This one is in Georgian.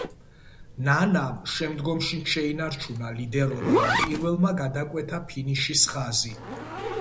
ნანამ შემდგომშიც შეინარჩუნა ლიდერობა და პირველმა გადაკვეთა ფინიშის ხაზი.